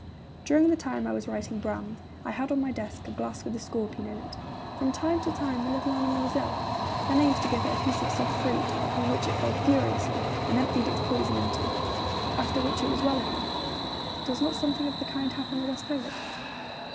During the time I was writing Brand, I had on my desk a glass with a scorpion in it. From time to time the little animal was ill. Then I used to give it a piece of soft fruit, upon which it fell furiously and emptied its poison into it after which it was well again. Does not something of the kind happen with us poets?